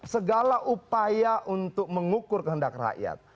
segala upaya untuk mengukur kehendak rakyat